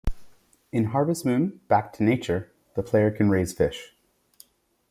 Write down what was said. In "Harvest Moon: Back to Nature" the player can raise fish.